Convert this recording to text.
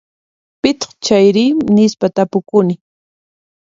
Pitaq chayri? Nispa tapukuni.